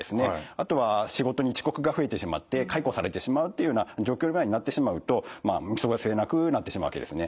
あとは仕事に遅刻が増えてしまって解雇されてしまうっていうような状況になってしまうと見過ごせなくなってしまうわけですね。